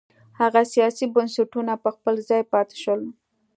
هغه سیاسي بنسټونه په خپل ځای پاتې شول.